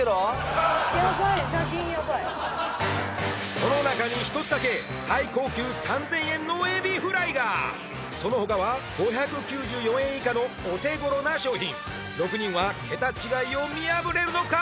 この中に１つだけ最高級３０００円のエビフライがそのほかは５９４円以下のお手頃な商品６人はケタ違いを見破れるのか！？